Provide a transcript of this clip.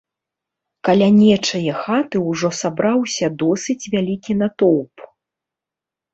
Каля нечае хаты ўжо сабраўся досыць вялікі натоўп.